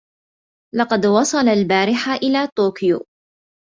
لقد وصل البارحة الى طوكيو